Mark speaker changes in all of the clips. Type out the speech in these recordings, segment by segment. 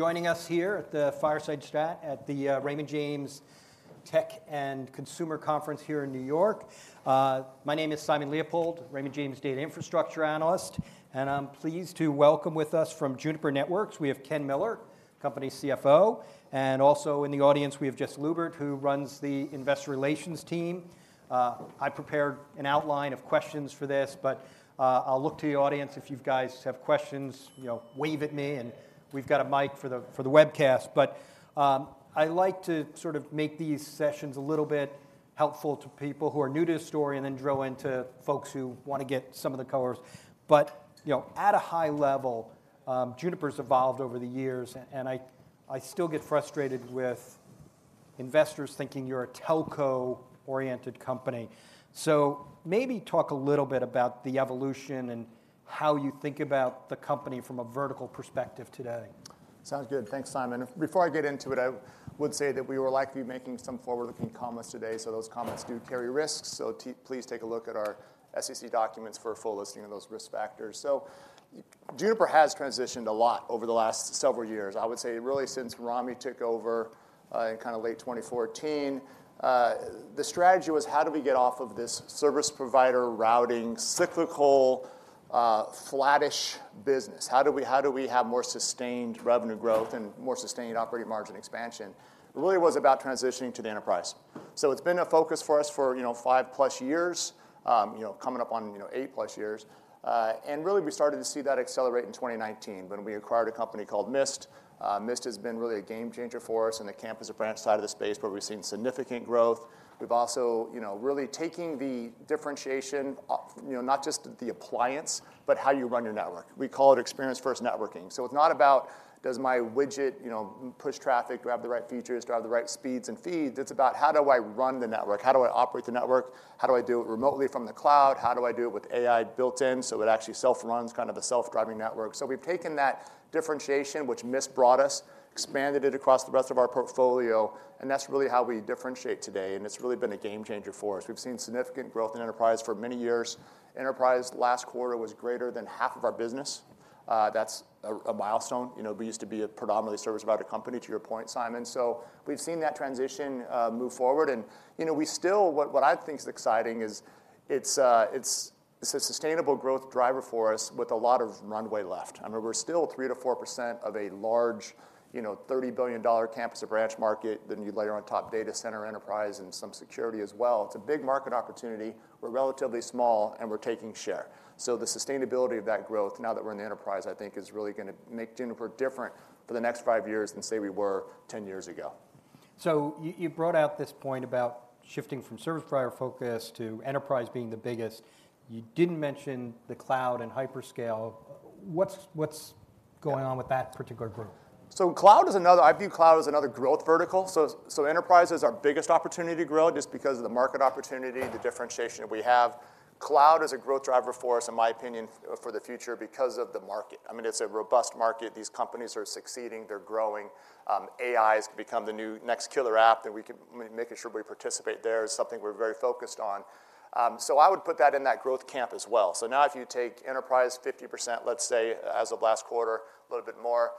Speaker 1: Joining us here at the Fireside Chat at the Raymond James Tech and Consumer Conference here in New York. My name is Simon Leopold, Raymond James data infrastructure analyst, and I'm pleased to welcome with us from Juniper Networks, we have Ken Miller, company CFO, and also in the audience, we have Jess Lubert, who runs the investor relations team. I prepared an outline of questions for this, but I'll look to the audience if you guys have questions wave at me, and we've got a mic for the webcast. But I like to sort of make these sessions a little bit helpful to people who are new to the story and then drill into folks who want to get some of the colors. but at a high level, Juniper's evolved over the years, and I, I still get frustrated with investors thinking you're a telco-oriented company. So maybe talk a little bit about the evolution and how you think about the company from a vertical perspective today.
Speaker 2: Sounds good. Thanks, Simon. Before I get into it, I would say that we will likely be making some forward-looking comments today, so those comments do carry risks. So, please take a look at our SEC documents for a full listing of those risk factors. So, Juniper has transitioned a lot over the last several years. I would say really since Rami took over in kind of late 2014. The strategy was: how do we get off of this service provider, routing, cyclical, flattish business? How do we have more sustained revenue growth and more sustained operating margin expansion? It really was about transitioning to the enterprise. So it's been a focus for us for 5+ years coming up on 8+ years. And really, we started to see that accelerate in 2019 when we acquired a company called Mist. Mist has been really a game changer for us in the campus and branch side of the space, where we've seen significant growth. We've also really taking the differentiation not just the appliance, but how you run your network. We call it Experience-First Networking. So it's not about, does my widget push traffic, do I have the right features, do I have the right speeds and feeds? It's about, how do I run the network? How do I operate the network? How do I do it remotely from the cloud? How do I do it with AI built in, so it actually self-runs, kind of a self-driving network? So we've taken that differentiation, which Mist brought us, expanded it across the rest of our portfolio, and that's really how we differentiate today, and it's really been a game changer for us. We've seen significant growth in enterprise for many years. Enterprise last quarter was greater than half of our business. That's a milestone. You know, we used to be a predominantly service provider company, to your point, Simon. So we've seen that transition move forward and we still—what I think is exciting is it's a sustainable growth driver for us with a lot of runway left. I mean, we're still 3%-4% of a large $30 billion campus or branch market, then you layer on top data center, enterprise, and some security as well. It's a big market opportunity. We're relatively small, and we're taking share. So the sustainability of that growth, now that we're in the enterprise, I think is really gonna make Juniper different for the next 5 years than, say, we were 10 years ago.
Speaker 1: So you brought out this point about shifting from service provider focus to enterprise being the biggest. You didn't mention the cloud and hyperscalers. What's going on with that particular group?
Speaker 2: So cloud is another. I view cloud as another growth vertical. So enterprise is our biggest opportunity to grow just because of the market opportunity, the differentiation we have. Cloud is a growth driver for us, in my opinion, for the future because of the market. I mean, it's a robust market. These companies are succeeding, they're growing. AI's become the new next killer app, and we keeping making sure we participate there is something we're very focused on. So I would put that in that growth camp as well. So now if you take enterprise, 50%, let's say, as of last quarter, a little bit more,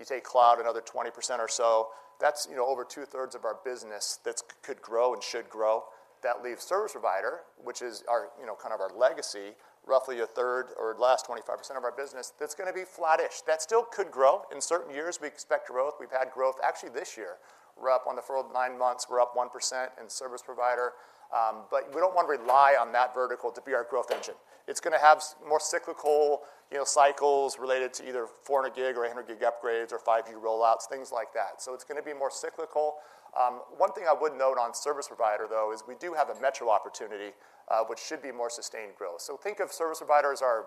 Speaker 2: you take cloud, another 20% or so, that's over two-thirds of our business that's could grow and should grow. That leaves service provider, which is our kind of our legacy, roughly a third or less, 25% of our business, that's gonna be flattish. That still could grow. In certain years, we expect growth. We've had growth actually this year. We're up on the nine months, we're up 1% in service provider, but we don't want to rely on that vertical to be our growth engine. It's gonna have more cyclical cycles related to either 400 gig or a 100 gig upgrades or five-year rollouts, things like that. So it's gonna be more cyclical. One thing I would note on service provider, though, is we do have a Metro opportunity, which should be more sustained growth. So think of service provider as our,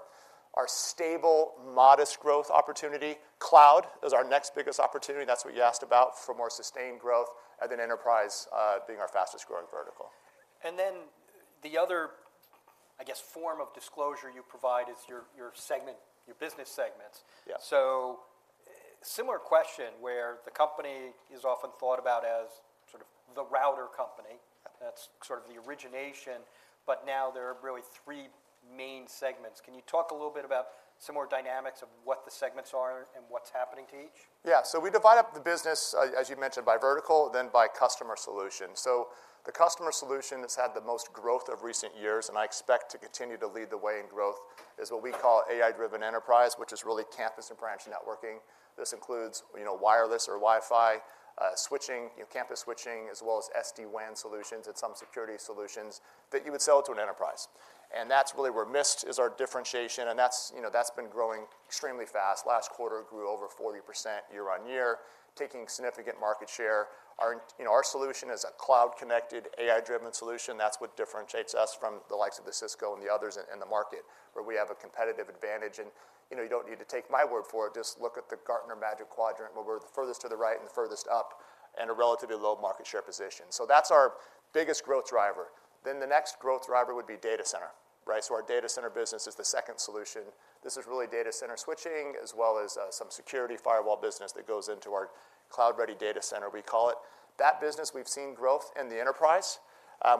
Speaker 2: our stable, modest growth opportunity. Cloud is our next biggest opportunity, that's what you asked about, for more sustained growth, and then enterprise being our fastest-growing vertical.
Speaker 1: And then the other, I guess, form of disclosure you provide is your, your segment, your business segments.
Speaker 2: Yeah.
Speaker 1: So, similar question, where the company is often thought about as sort of the router company?
Speaker 2: Yeah.
Speaker 1: That's sort of the origination, but now there are really three main segments. Can you talk a little bit about some more dynamics of what the segments are and what's happening to each?
Speaker 2: Yeah. So we divide up the business, as, as you mentioned, by vertical, then by customer solution. So the customer solution that's had the most growth of recent years, and I expect to continue to lead the way in growth, is what we call AI-Driven Enterprise, which is really campus and branch networking. This includes wireless or Wi-Fi, switching campus switching, as well as SD-WAN solutions and some security solutions that you would sell to an enterprise. And that's really where Mist is our differentiation, and that's that's been growing extremely fast. Last quarter, it grew over 40% year-on-year, taking significant market share. our our solution is a cloud-connected, AI-driven solution. That's what differentiates us from the likes of the Cisco and the others in, in the market, where we have a competitive advantage. and you don't need to take my word for it, just look at the Gartner Magic Quadrant, where we're the furthest to the right and the furthest up and a relatively low market share position. So that's our biggest growth driver. Then the next growth driver would be data center, right? So our data center business is the second solution. This is really data center switching, as well as some security firewall business that goes into our Cloud-Ready Data Center, we call it. That business, we've seen growth in the enterprise.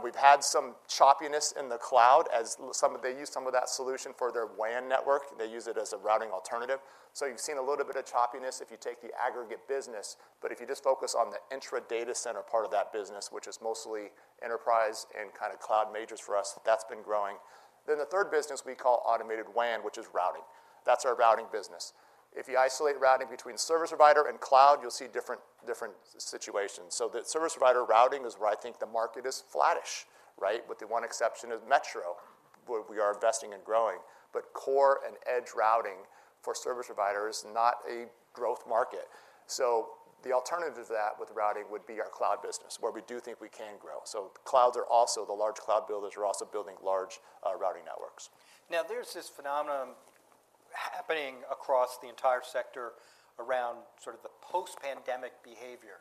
Speaker 2: We've had some choppiness in the cloud as they use some of that solution for their WAN network. They use it as a routing alternative. So you've seen a little bit of choppiness if you take the aggregate business, but if you just focus on the intra data center part of that business, which is mostly enterprise and kind of cloud majors for us, that's been growing. Then the third business we call Automated WAN, which is routing. That's our routing business. If you isolate routing between service provider and cloud, you'll see different, different situations. So the service provider routing is where I think the market is flattish, right? With the one exception of Metro, where we are investing and growing. But core and edge routing for service provider is not a growth market. So the alternative to that with routing would be our cloud business, where we do think we can grow. So clouds are also... the large cloud builders are also building large, routing networks.
Speaker 1: Now, there's this phenomenon happening across the entire sector around sort of the post-pandemic behavior,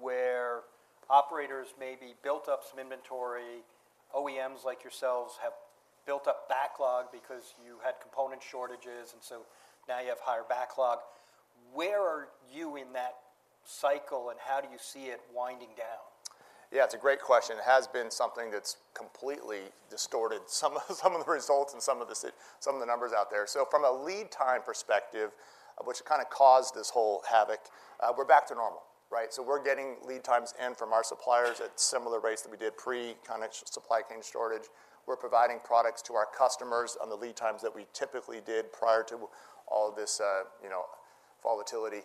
Speaker 1: where operators maybe built up some inventory, OEMs like yourselves have built up backlog because you had component shortages, and so now you have higher backlog. Where are you in that cycle, and how do you see it winding down?
Speaker 2: Yeah, it's a great question. It has been something that's completely distorted some of the results and some of the numbers out there. So from a lead time perspective, which kind of caused this whole havoc, we're back to normal, right? So we're getting lead times in from our suppliers at similar rates than we did pre kind of supply chain shortage. We're providing products to our customers on the lead times that we typically did prior to all this volatility.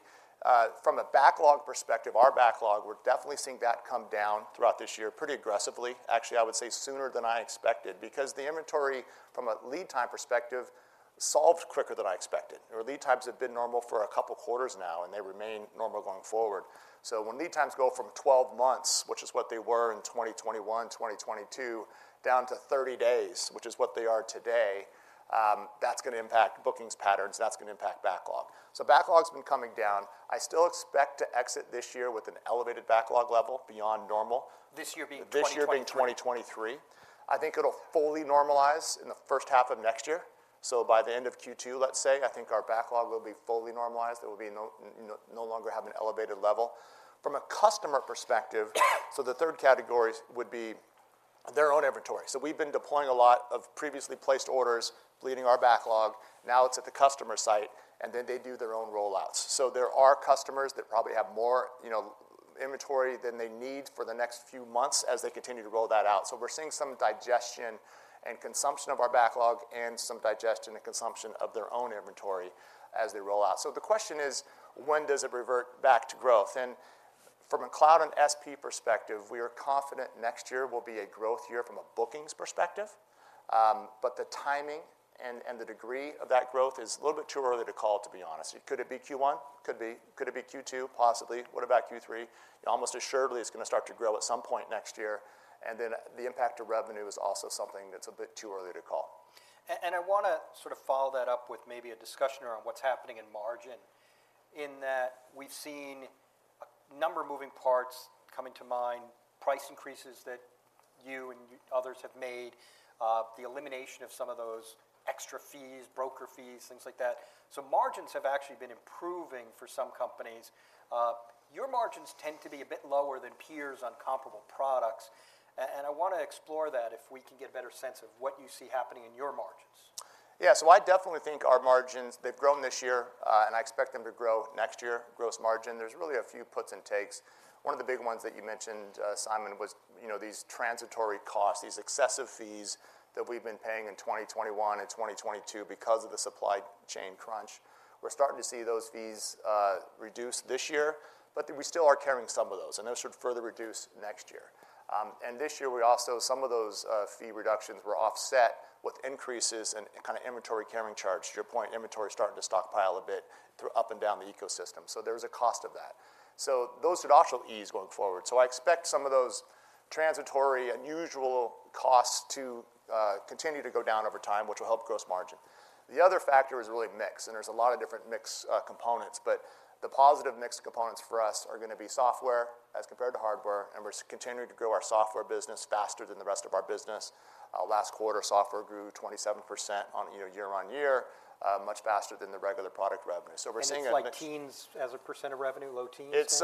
Speaker 2: From a backlog perspective, our backlog, we're definitely seeing that come down throughout this year pretty aggressively. Actually, I would say sooner than I expected, because the inventory from a lead time perspective, solved quicker than I expected. Our lead times have been normal for a couple of quarters now, and they remain normal going forward. So when lead times go from 12 months, which is what they were in 2021, 2022, down to 30 days, which is what they are today, that's gonna impact bookings patterns, and that's gonna impact backlog. Backlog's been coming down. I still expect to exit this year with an elevated backlog level beyond normal.
Speaker 1: This year being 2023?
Speaker 2: This year being 2023. I think it'll fully normalize in the first half of next year. So by the end of Q2, let's say, I think our backlog will be fully normalized. It will no longer have an elevated level. From a customer perspective, so the third category would be their own inventory. So we've been deploying a lot of previously placed orders, bleeding our backlog. Now, it's at the customer site, and then they do their own rollouts. So there are customers that probably have more inventory than they need for the next few months as they continue to roll that out. So we're seeing some digestion and consumption of our backlog and some digestion and consumption of their own inventory as they roll out. So the question is: when does it revert back to growth? From a cloud and SP perspective, we are confident next year will be a growth year from a bookings perspective. But the timing and the degree of that growth is a little bit too early to call, to be honest. Could it be Q1? Could be. Could it be Q2? Possibly. What about Q3? Almost assuredly, it's gonna start to grow at some point next year, and then the impact to revenue is also something that's a bit too early to call.
Speaker 1: I wanna sort of follow that up with maybe a discussion around what's happening in margin, in that we've seen a number of moving parts coming to mind, price increases that you and others have made, the elimination of some of those extra fees, broker fees, things like that. So margins have actually been improving for some companies. Your margins tend to be a bit lower than peers on comparable products, and I want to explore that if we can get a better sense of what you see happening in your margins.
Speaker 2: Yeah, so I definitely think our margins, they've grown this year, and I expect them to grow next year. Gross margin, there's really a few puts and takes. One of the big ones that you mentioned, Simon, was these transitory costs, these excessive fees that we've been paying in 2021 and 2022 because of the supply chain crunch. We're starting to see those fees reduce this year, but we still are carrying some of those, and those should further reduce next year. And this year, some of those fee reductions were offset with increases in kind of inventory carrying charge. To your point, inventory is starting to stockpile a bit throughout up and down the ecosystem, so there is a cost of that. So those should also ease going forward. So I expect some of those transitory, unusual costs to continue to go down over time, which will help gross margin. The other factor is really mix, and there's a lot of different mix components, but the positive mix components for us are gonna be software as compared to hardware, and we're continuing to grow our software business faster than the rest of our business. Last quarter, software grew 27% on year-on-year, much faster than the regular product revenue. So we're seeing a-
Speaker 1: It's like teens as a % of revenue, low teens?
Speaker 2: It's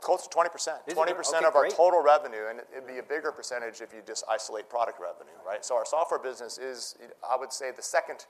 Speaker 2: close to 20%.
Speaker 1: Is it? Okay, great.
Speaker 2: 20% of our total revenue, and it, it'd be a bigger percentage if you just isolate product revenue, right? So our software business is, I would say, the second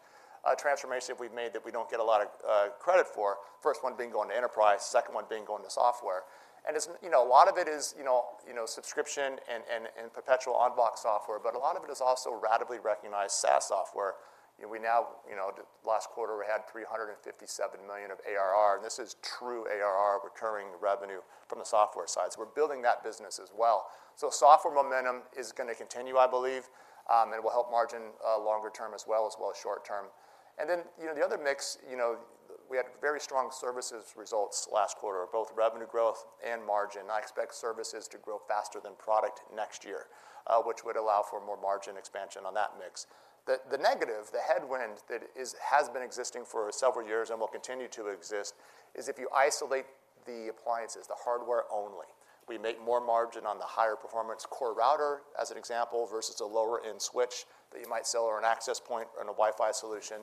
Speaker 2: transformation we've made that we don't get a lot of credit for. First one being going to enterprise, second one being going to software. And it's a lot of it know subscription and, and, and perpetual on-box software, but a lot of it is also ratably recognized SaaS software. You know, we now- you know, last quarter, we had $357 million of ARR, and this is true ARR, recurring revenue from the software side. So we're building that business as well. So software momentum is gonna continue, I believe, and it will help margin longer term as well, as well as short term. And then the other mix we had very strong services results last quarter, both revenue growth and margin. I expect services to grow faster than product next year, which would allow for more margin expansion on that mix. The negative headwind that has been existing for several years and will continue to exist is if you isolate the appliances, the hardware only. We make more margin on the higher performance core router, as an example, versus a lower-end switch that you might sell, or an access point, or a Wi-Fi solution,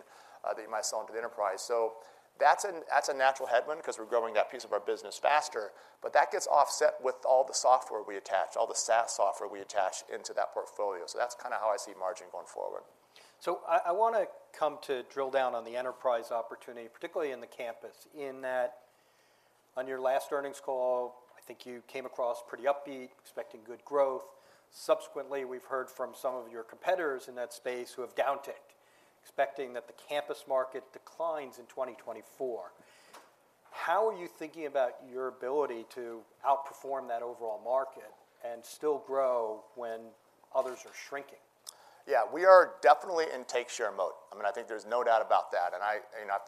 Speaker 2: that you might sell into the enterprise. So that's a natural headwind, 'cause we're growing that piece of our business faster, but that gets offset with all the software we attach, all the SaaS software we attach into that portfolio. That's kind of how I see margin going forward.
Speaker 1: So I wanna come to drill down on the enterprise opportunity, particularly in the campus, in that on your last earnings call, I think you came across pretty upbeat, expecting good growth. Subsequently, we've heard from some of your competitors in that space who have downticked, expecting that the campus market declines in 2024. How are you thinking about your ability to outperform that overall market and still grow when others are shrinking?
Speaker 2: Yeah, we are definitely in take share mode. I mean, I think there's no doubt about that, and I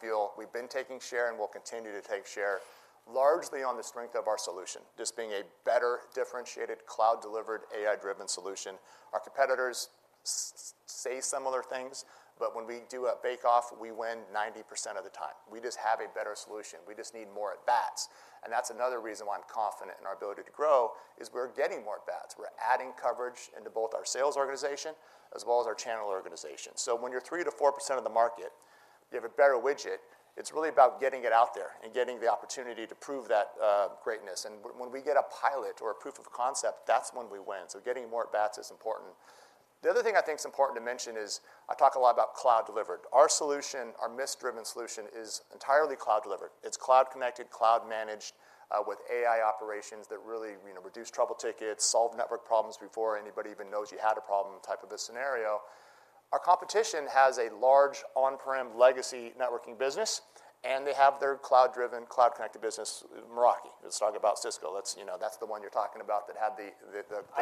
Speaker 2: feel we've been taking share and we'll continue to take share, largely on the strength of our solution. Just being a better, differentiated, cloud-delivered, AI-driven solution. Our competitors say similar things, but when we do a bake-off, we win 90% of the time. We just have a better solution. We just need more at-bats, and that's another reason why I'm confident in our ability to grow, is we're getting more at-bats. We're adding coverage into both our sales organization as well as our channel organization. So when you're 3%-4% of the market, you have a better widget, it's really about getting it out there and getting the opportunity to prove that greatness. When we get a pilot or a proof of concept, that's when we win, so getting more at-bats is important. The other thing I think is important to mention is, I talk a lot about cloud-delivered. Our solution, our Mist-driven solution, is entirely cloud-delivered. It's cloud-connected, cloud-managed, with AI operations that really reduce trouble tickets, solve network problems before anybody even knows you had a problem, type of a scenario. Our competition has a large on-prem legacy networking business, and they have their cloud-driven, cloud-connected business, Meraki. Let's talk about Cisco. let's that's the one you're talking about that had the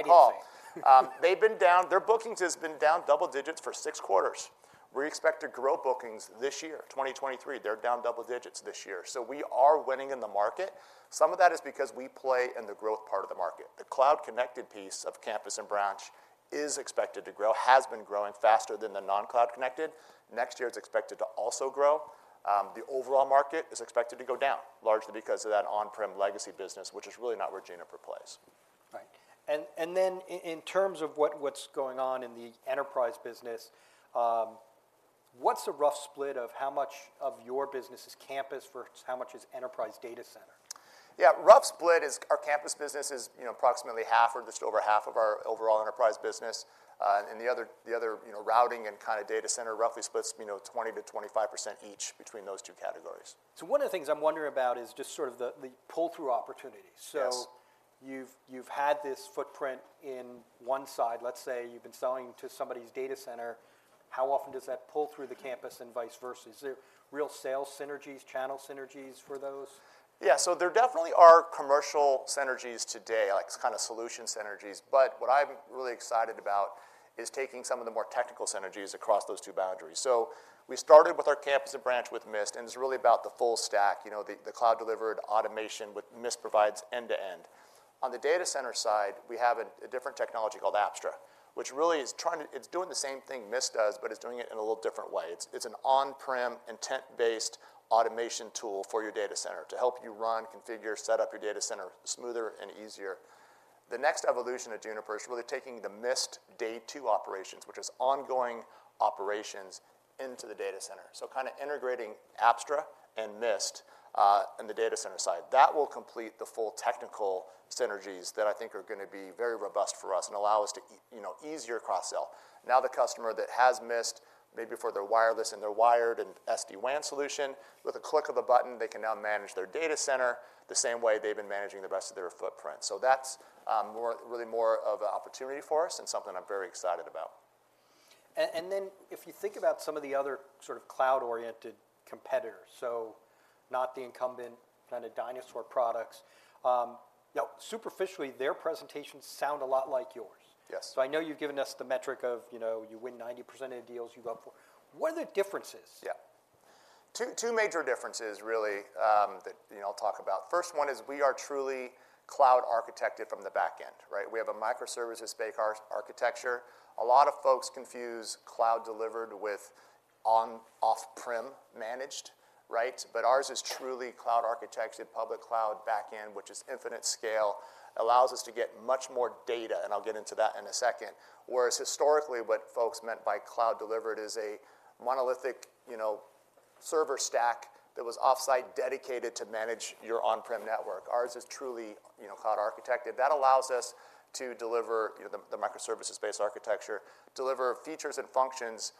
Speaker 2: call.
Speaker 1: I didn't say.
Speaker 2: They've been down. Their bookings has been down double digits for 6 quarters. We expect to grow bookings this year, 2023. They're down double digits this year. So we are winning in the market. Some of that is because we play in the growth part of the market. The cloud-connected piece of campus and branch is expected to grow, has been growing faster than the non-cloud-connected. Next year, it's expected to also grow. The overall market is expected to go down, largely because of that on-prem legacy business, which is really not where Juniper plays.
Speaker 1: Right. And then in terms of what, what's going on in the enterprise business, what's the rough split of how much of your business is campus versus how much is enterprise data center?
Speaker 2: Yeah, rough split is our campus business is approximately half or just over half of our overall enterprise business. And the other routing and kind of data center roughly splits 20%-25% each between those two categories.
Speaker 1: So one of the things I'm wondering about is just sort of the pull-through opportunity.
Speaker 2: Yes.
Speaker 1: So you've had this footprint in one side. Let's say you've been selling to somebody's data center. How often does that pull through the campus and vice versa? Is there real sales synergies, channel synergies for those?
Speaker 2: Yeah, so there definitely are commercial synergies today, like kind of solution synergies, but what I'm really excited about is taking some of the more technical synergies across those two boundaries. So we started with our campus and branch with Mist, and it's really about the full stack the cloud-delivered automation with Mist provides end-to-end. On the data center side, we have a different technology called Apstra, which really is trying to—it's doing the same thing Mist does, but it's doing it in a little different way. It's an on-prem, intent-based automation tool for your data center to help you run, configure, set up your data center smoother and easier. The next evolution of Juniper is really taking the Mist Day 2 operations, which is ongoing operations, into the data center. So kind of integrating Apstra and Mist in the data center side. That will complete the full technical synergies that I think are gonna be very robust for us and allow us to you know, easier cross-sell. Now, the customer that has Mist, maybe for their wireless and their wired and SD-WAN solution, with a click of a button, they can now manage their data center the same way they've been managing the rest of their footprint. So that's more, really more of an opportunity for us and something I'm very excited about.
Speaker 1: And then if you think about some of the other sort of cloud-oriented competitors, so not the incumbent kind of dinosaur products, now superficially, their presentations sound a lot like yours.
Speaker 2: Yes.
Speaker 1: I know you've given us the metric of you win 90% of the deals you go for. What are the differences?
Speaker 2: Yeah. Two major differences really that I'll talk about. First one is we are truly cloud architected from the back end, right? We have a microservices-based architecture. A lot of folks confuse cloud-delivered with on-/off-prem managed, right? But ours is truly cloud architected, public cloud back end, which is infinite scale, allows us to get much more data, and I'll get into that in a second. Whereas historically, what folks meant by cloud-delivered is a monolithic server stack that was off-site dedicated to manage your on-prem network. Ours is truly cloud architected. That allows us to deliver the microservices-based architecture, deliver features and functions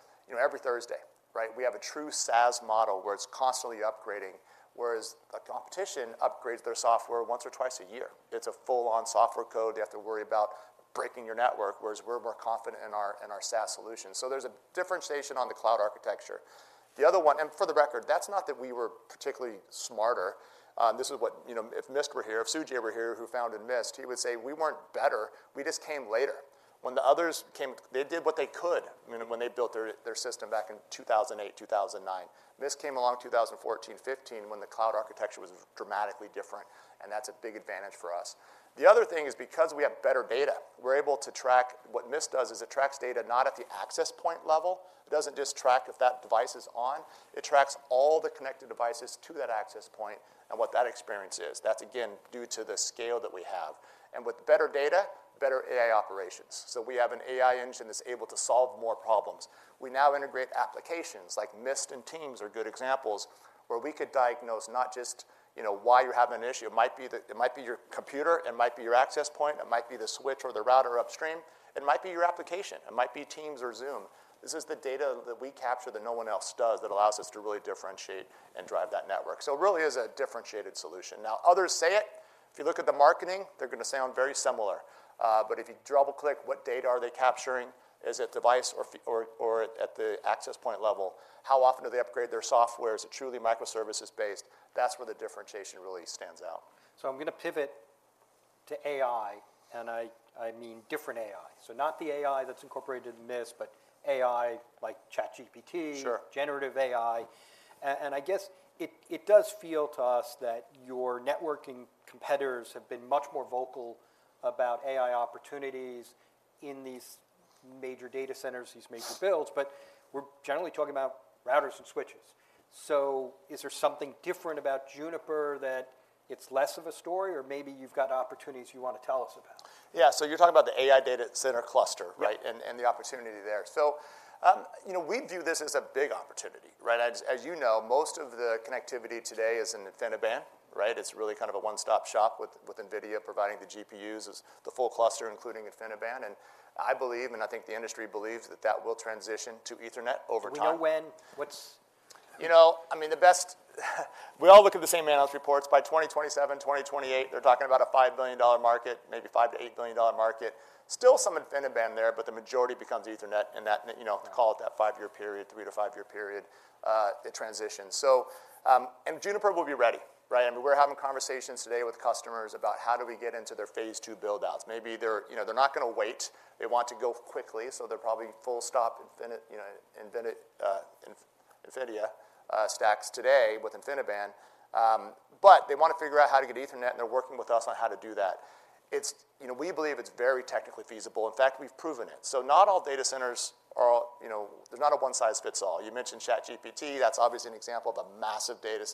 Speaker 2: every Thursday, right? We have a true SaaS model, where it's constantly upgrading, whereas the competition upgrades their software once or twice a year. It's a full-on software code. They have to worry about breaking your network, whereas we're more confident in our, in our SaaS solution. So there's a differentiation on the cloud architecture. The other one... And for the record, that's not that we were particularly smarter. This is what if Mist were here, if Sujai were here, who founded Mist, he would say, "We weren't better. We just came later."... when the others came, they did what they could when they built their, their system back in 2008, 2009. Mist came along 2014, '15, when the cloud architecture was dramatically different, and that's a big advantage for us. The other thing is, because we have better data, we're able to track... What Mist does is it tracks data not at the access point level. It doesn't just track if that device is on, it tracks all the connected devices to that access point and what that experience is. That's, again, due to the scale that we have. And with better data, better AI operations. So we have an AI engine that's able to solve more problems. We now integrate applications, like Mist and Teams are good examples, where we could diagnose not just why you're having an issue. It might be that- it might be your computer, it might be your access point, it might be the switch or the router upstream, it might be your application, it might be Teams or Zoom. This is the data that we capture that no one else does that allows us to really differentiate and drive that network. So it really is a differentiated solution. Now, others say it. If you look at the marketing, they're gonna sound very similar. But if you double-click, what data are they capturing? Is it device or at the access point level? How often do they upgrade their software? Is it truly microservices-based? That's where the differentiation really stands out.
Speaker 1: So I'm gonna pivot to AI, and I, I mean different AI. So not the AI that's incorporated in Mist, but AI like ChatGPT-
Speaker 2: Sure...
Speaker 1: generative AI. And I guess it does feel to us that your networking competitors have been much more vocal about AI opportunities in these major data centers, these major builds.
Speaker 2: Yeah.
Speaker 1: We're generally talking about routers and switches. Is there something different about Juniper that it's less of a story, or maybe you've got opportunities you want to tell us about?
Speaker 2: Yeah, so you're talking about the AI data center cluster, right?
Speaker 1: Yep.
Speaker 2: And the opportunity there. so we view this as a big opportunity, right? As you know, most of the connectivity today is in InfiniBand, right? It's really kind of a one-stop shop, with NVIDIA providing the GPUs as the full cluster, including InfiniBand, and I believe, and I think the industry believes, that that will transition to Ethernet over time.
Speaker 1: Do we know when? What's-
Speaker 2: You know, I mean, the best... We all look at the same analysis reports. By 2027, 2028, they're talking about a $5 billion market, maybe $5-$8 billion market. Still some InfiniBand there, but the majority becomes Ethernet, and that, you know-
Speaker 1: Yeah...
Speaker 2: call it that 5-year period, 3-to-5-year period, it transitions. So Juniper will be ready, right? I mean, we're having conversations today with customers about how do we get into their phase 2 build-outs. Maybe they're they're not gonna wait. They want to go quickly, so they're probably full stop InfiniBand NVIDIA stacks today with InfiniBand. But they want to figure out how to get Ethernet, and they're working with us on how to do that. it's we believe it's very technically feasible. In fact, we've proven it. So not all data centers are, you know... They're not a one-size-fits-all. You mentioned ChatGPT, that's obviously an example of a massive data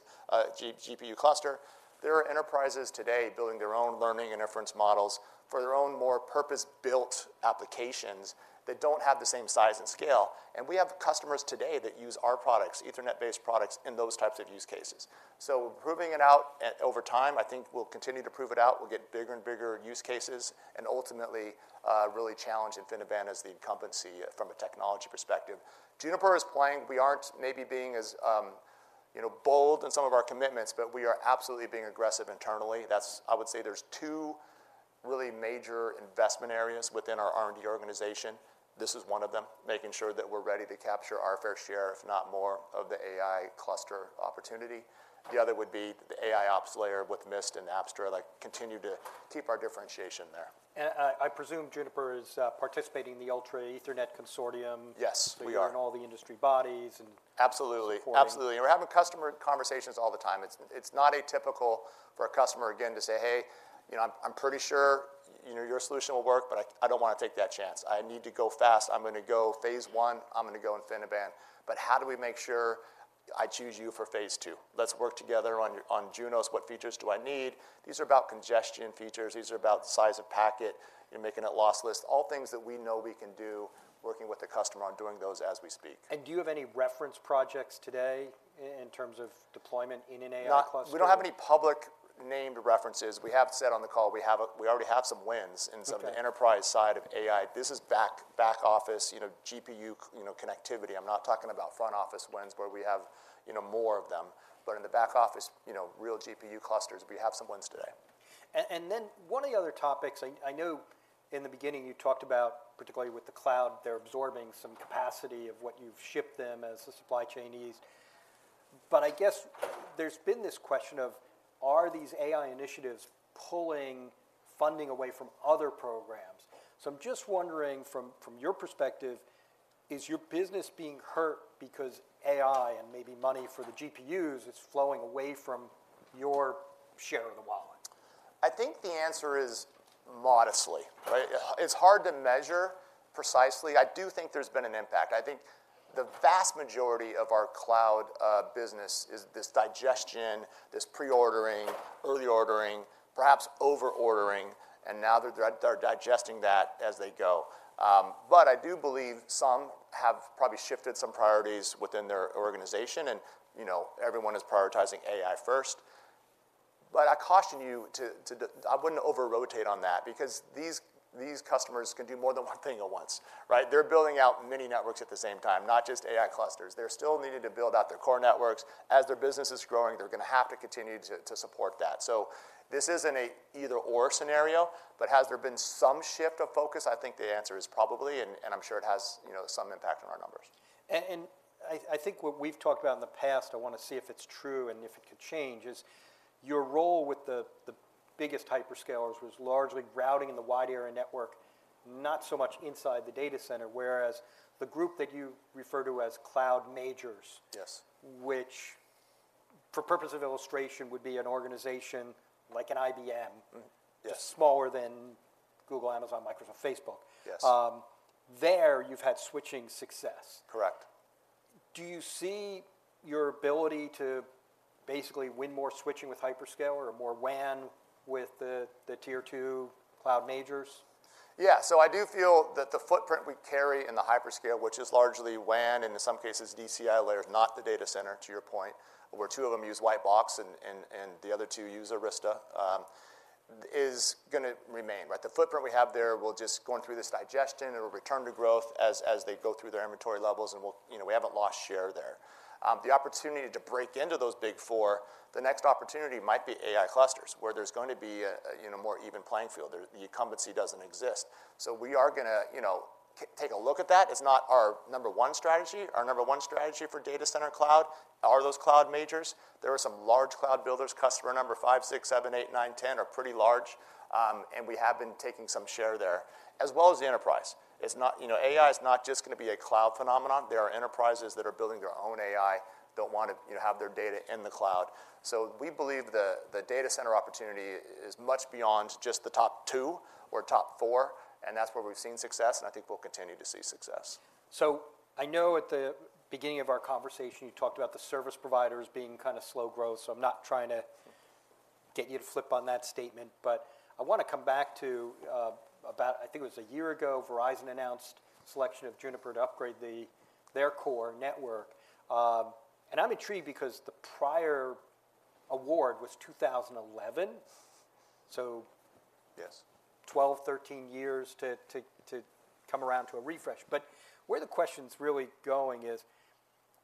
Speaker 2: GPU cluster. There are enterprises today building their own learning and inference models for their own more purpose-built applications that don't have the same size and scale, and we have customers today that use our products, Ethernet-based products, in those types of use cases. So we're proving it out, and over time, I think we'll continue to prove it out. We'll get bigger and bigger use cases and ultimately really challenge InfiniBand as the incumbency from a technology perspective. Juniper is playing. We aren't maybe being as bold in some of our commitments, but we are absolutely being aggressive internally. I would say there's two really major investment areas within our R&D organization. This is one of them, making sure that we're ready to capture our fair share, if not more, of the AI cluster opportunity. The other would be the AIOps layer with Mist and Apstra, like, continue to keep our differentiation there.
Speaker 1: I presume Juniper is participating in the Ultra Ethernet Consortium.
Speaker 2: Yes, we are.
Speaker 1: In all the industry bodies, and-
Speaker 2: Absolutely.
Speaker 1: Moving forward.
Speaker 2: Absolutely. We're having customer conversations all the time. It's, it's not atypical for a customer, again, to say, "hey I'm, I'm pretty sure your solution will work, but I, I don't want to take that chance. I need to go fast. I'm gonna go phase one, I'm gonna go InfiniBand. But how do we make sure I choose you for phase two? Let's work together on, on Junos. What features do I need?" These are about congestion features, these are about the size of packet and making it lossless. All things that we know we can do, working with the customer on doing those as we speak.
Speaker 1: Do you have any reference projects today in terms of deployment in an AI cluster?
Speaker 2: We don't have any public named references. We have said on the call, we already have some wins.
Speaker 1: Okay...
Speaker 2: in some of the enterprise side of AI. This is back, back office GPU connectivity. I'm not talking about front office wins, where we have more of them. But in the back office real GPU clusters, we have some wins today.
Speaker 1: Then one of the other topics, I know in the beginning you talked about, particularly with the cloud, they're absorbing some capacity of what you've shipped them as the supply chain ease. But I guess there's been this question of, are these AI initiatives pulling funding away from other programs? So I'm just wondering, from your perspective, is your business being hurt because AI, and maybe money for the GPUs, is flowing away from your share of the wallet?
Speaker 2: I think the answer is modestly, right? It's hard to measure precisely. I do think there's been an impact. I think the vast majority of our cloud business is this digestion, this pre-ordering, early ordering, perhaps over-ordering, and now they're, they're digesting that as they go. But I do believe some have probably shifted some priorities within their organization, and everyone is prioritizing AI first. But I caution you, I wouldn't over-rotate on that, because these, these customers can do more than one thing at once, right? They're building out many networks at the same time, not just AI clusters. They're still needing to build out their core networks. As their business is growing, they're gonna have to continue to, to support that. So this isn't an either/or scenario, but has there been some shift of focus? I think the answer is probably, and I'm sure it has some impact on our numbers.
Speaker 1: I think what we've talked about in the past, I want to see if it's true and if it could change, is your role with the biggest hyperscalers was largely routing in the wide area network, not so much inside the data center, whereas the group that you refer to as cloud majors-
Speaker 2: Yes.
Speaker 1: -which, for purpose of illustration, would be an organization like an IBM-
Speaker 2: Mm, yes.
Speaker 1: smaller than Google, Amazon, Microsoft, Facebook.
Speaker 2: Yes.
Speaker 1: There, you've had switching success.
Speaker 2: Correct.
Speaker 1: Do you see your ability to basically win more switching with hyperscaler or more WAN with the tier two cloud majors?
Speaker 2: Yeah. So I do feel that the footprint we carry in the hyperscale, which is largely WAN, and in some cases, DCI layers, not the data center, to your point, where two of them use white box and the other two use Arista, is gonna remain, right? The footprint we have there will just going through this digestion, it'll return to growth as they go through their inventory levels, and we'll you know, we haven't lost share there. The opportunity to break into those big four, the next opportunity might be AI clusters, where there's going to be a you know, more even playing field. The incumbency doesn't exist. So we are gonna you know, take a look at that. It's not our number one strategy. Our number one strategy for data center cloud are those cloud majors. There are some large cloud builders, customer number 5, 6, 7, 8, 9, 10 are pretty large, and we have been taking some share there, as well as the enterprise. It's not AI is not just gonna be a cloud phenomenon. There are enterprises that are building their own AI, don't want to have their data in the cloud. So we believe the data center opportunity is much beyond just the top 2 or top 4, and that's where we've seen success, and I think we'll continue to see success.
Speaker 1: So I know at the beginning of our conversation, you talked about the service providers being kind of slow growth, so I'm not trying to get you to flip on that statement. But I want to come back to, about, I think it was a year ago, Verizon announced selection of Juniper to upgrade their core network. And I'm intrigued because the prior award was 2011, so-
Speaker 2: Yes.
Speaker 1: 12, 13 years to come around to a refresh. But where the question's really going is,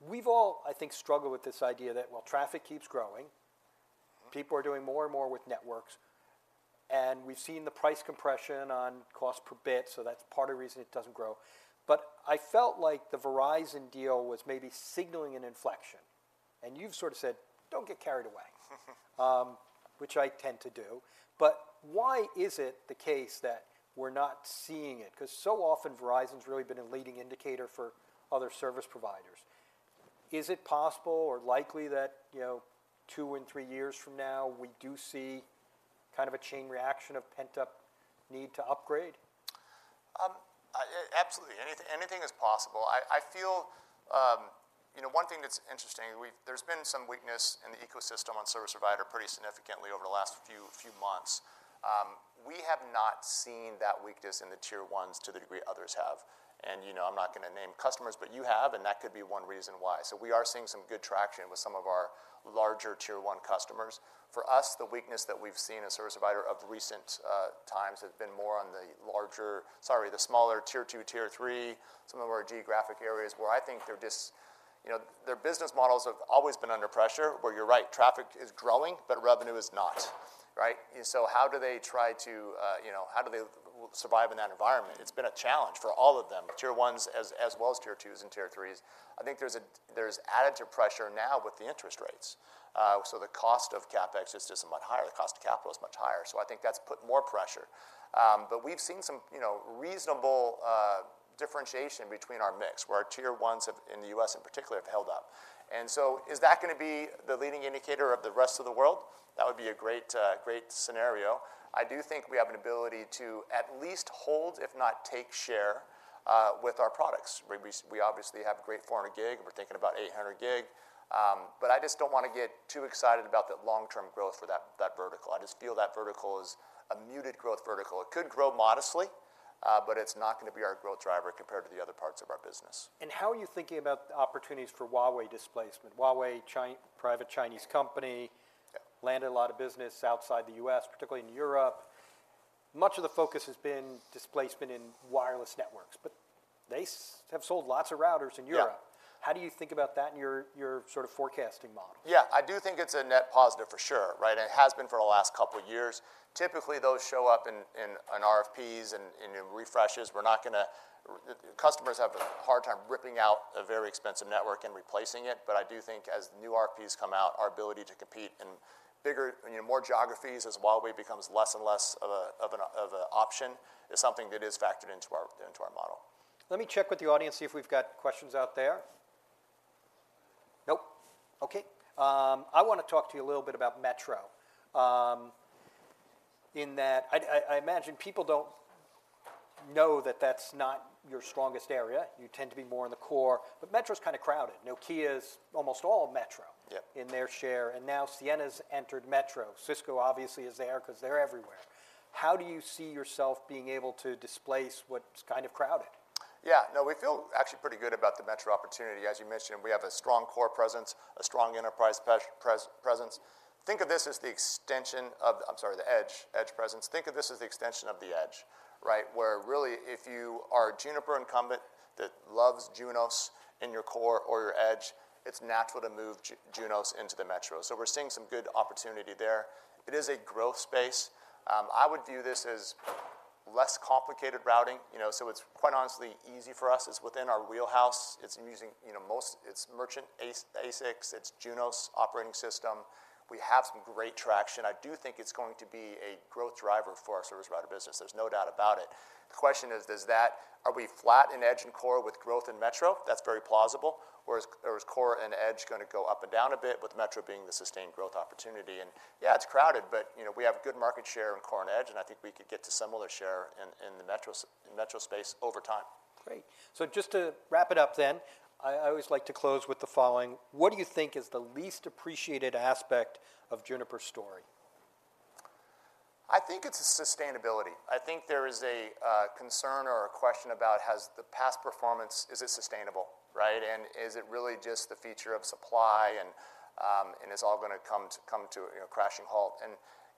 Speaker 1: we've all, I think, struggled with this idea that, well, traffic keeps growing people are doing more and more with networks, and we've seen the price compression on cost per bit, so that's part of the reason it doesn't grow. But I felt like the Verizon deal was maybe signaling an inflection, and you've sort of said, "Don't get carried away." Which I tend to do. But why is it the case that we're not seeing it? 'Cause so often, Verizon's really been a leading indicator for other service providers. Is it possible or likely that 2 and 3 years from now, we do see kind of a chain reaction of pent-up need to upgrade?
Speaker 2: Absolutely. Anything, anything is possible. I feel one thing that's interesting. There's been some weakness in the ecosystem on service provider pretty significantly over the last few, few months. We have not seen that weakness in the tier ones to the degree others have. and I'm not gonna name customers, but you have, and that could be one reason why. So we are seeing some good traction with some of our larger tier one customers. For us, the weakness that we've seen as service provider of recent times has been more on the larger, sorry, the smaller tier two, tier three, some of our geographic areas where I think they're just their business models have always been under pressure, where you're right, traffic is growing, but revenue is not, right? And so how do they try to how do they survive in that environment? It's been a challenge for all of them, tier ones, as well as tier twos and tier threes. I think there's added pressure now with the interest rates. So the cost of CapEx is just much higher. The cost of capital is much higher, so I think that's put more pressure. But we've seen some reasonable differentiation between our mix, where our tier ones have, in the U.S. in particular, held up. And so is that gonna be the leading indicator of the rest of the world? That would be a great scenario. I do think we have an ability to at least hold, if not take share, with our products. We obviously have a great 400 gig, we're thinking about 800 gig, but I just don't wanna get too excited about the long-term growth for that, that vertical. I just feel that vertical is a muted growth vertical. It could grow modestly, but it's not gonna be our growth driver compared to the other parts of our business.
Speaker 1: How are you thinking about opportunities for Huawei displacement? Huawei, China - private Chinese company-
Speaker 2: Yeah...
Speaker 1: landed a lot of business outside the U.S., particularly in Europe. Much of the focus has been displacement in wireless networks, but they have sold lots of routers in Europe.
Speaker 2: Yeah.
Speaker 1: How do you think about that in your, your sort of forecasting model?
Speaker 2: Yeah, I do think it's a net positive, for sure, right? It has been for the last couple of years. Typically, those show up in RFPs and in refreshes. We're not gonna... Our customers have a hard time ripping out a very expensive network and replacing it, but I do think as new RFPs come out, our ability to compete in bigger more geographies as Huawei becomes less and less of an option, is something that is factored into our model.
Speaker 1: Let me check with the audience, see if we've got questions out there. Nope. Okay. I wanna talk to you a little bit about Metro. In that I imagine people don't know that that's not your strongest area. You tend to be more in the core, but Metro's kind of crowded. Nokia is almost all Metro-
Speaker 2: Yeah...
Speaker 1: in their share, and now Ciena's entered Metro. Cisco obviously is there 'cause they're everywhere. How do you see yourself being able to displace what's kind of crowded?
Speaker 2: Yeah. No, we feel actually pretty good about the Metro opportunity. As you mentioned, we have a strong core presence, a strong enterprise presence. Think of this as the extension of the edge presence. I'm sorry, think of this as the extension of the edge, right? Where really, if you are a Juniper incumbent that loves Junos in your core or your edge, it's natural to move Junos into the Metro. So we're seeing some good opportunity there. It is a growth space. I would view this as less complicated routing so it's quite honestly easy for us. It's within our wheelhouse. It's using it's merchant ASICs, it's Junos operating system. We have some great traction. I do think it's going to be a growth driver for our service router business. There's no doubt about it. The question is, does—are we flat in edge and core with growth in Metro? That's very plausible. Whereas, or is core and edge gonna go up and down a bit, with Metro being the sustained growth opportunity? And yeah, it's crowded, but we have good market share in core and edge, and I think we could get to similar share in the Metro space over time.
Speaker 1: Great. So just to wrap it up then, I always like to close with the following: What do you think is the least appreciated aspect of Juniper's story?
Speaker 2: I think it's the sustainability. I think there is a concern or a question about, has the past performance, is it sustainable, right? And is it really just the feature of supply, and it's all gonna come to a crashing halt.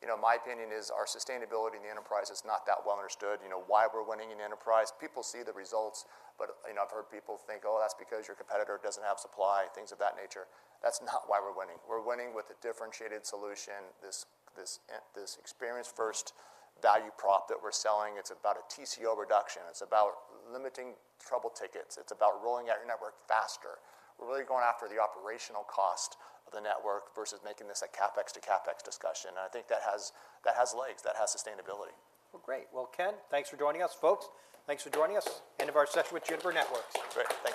Speaker 2: and my opinion is, our sustainability in the enterprise is not that well understood why we're winning in enterprise. People see the results, but I've heard people think, "Oh, that's because your competitor doesn't have supply," things of that nature. That's not why we're winning. We're winning with a differentiated solution, this experience-first value prop that we're selling. It's about a TCO reduction. It's about limiting trouble tickets. It's about rolling out your network faster. We're really going after the operational cost of the network versus making this a CapEx to CapEx discussion, and I think that has, that has legs, that has sustainability.
Speaker 1: Well, great. Well, Ken, thanks for joining us. Folks, thanks for joining us. End of our session with Juniper Networks.
Speaker 2: Great, thank you.